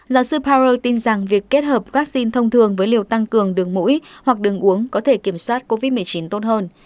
giáo sư paro tin rằng việc kết hợp vaccine thông thường với liều tăng cường đường mũi hoặc đường uống có thể kiểm soát covid một mươi chín tốt hơn